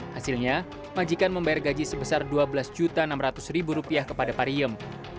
hasilnya majikan membayar gaji sebesar rp dua belas enam ratus kepada pariem